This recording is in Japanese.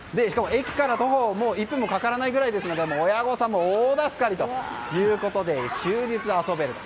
駅から徒歩１分もかからないくらいですので親御さんも大助かりということで終日遊べると。